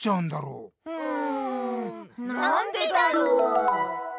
うんなんでだろう？